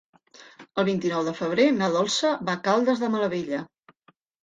El vint-i-nou de febrer na Dolça va a Caldes de Malavella.